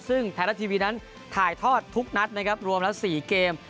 ซึ่งไทยรัฐทีวีนั้นถ่ายทอดทุกนัดนะครับรวมละ๔เกม